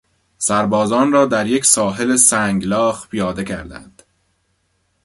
سربازان را در یک ساحل سنگلاخ پیاده کردند.